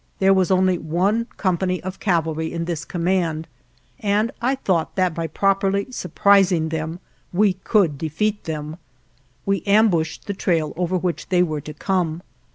There was only one company of cavalry in this command, and I thought that by properly surprising them we could defeat them. We ambushed the trail over which they were to come.